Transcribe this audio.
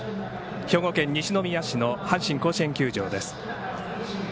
兵庫県西宮市の阪神甲子園球場です。